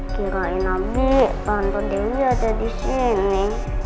kirain abi tante dewi ada di sini